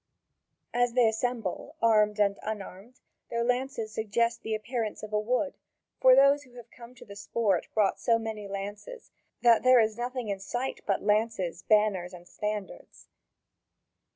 As they assemble, armed and unarmed, their lances suggest the appearance of a wood, for those who have come to the sport brought so many lances that there is nothing in sight but lances, banners, and standards.